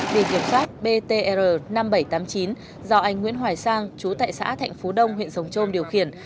điện kiểm soát ptr năm nghìn bảy trăm tám mươi chín do anh nguyễn hoài sang chú tại xã thạnh phú đông huyện sông trôm điều khiển